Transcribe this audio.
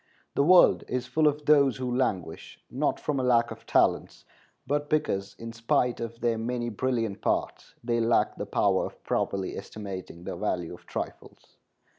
The world is full of those who languish, not from a lack of talents, but because, in spite of their many brilliant parts, they lack the power of properly estimating the value of trifles.